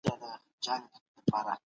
خلګو د پرمختګ له پاره ډېر کار کړی دی.